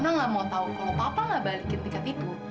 nona gak mau tau kalau papa gak balikin tiket itu